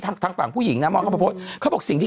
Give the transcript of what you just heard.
กันชาอยู่ในนี้